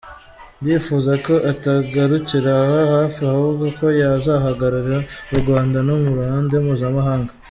Ndifuza ko atagarukira aha hafi ahubwo ko yazahagararira u Rwanda no mu ruhando mpuzamahanga.